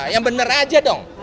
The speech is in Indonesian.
yang bener aja dong